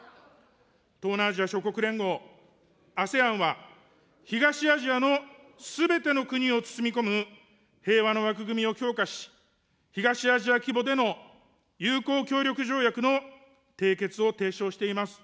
東南アジア諸国連合・ＡＳＥＡＮは、東アジアのすべての国を包み込む平和の枠組みを強化し、東アジア規模での友好協力条約の締結を提唱しています。